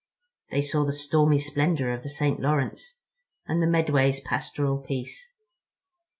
They saw the stormy splendor of the St. Lawrence, and the Medway's pastoral peace.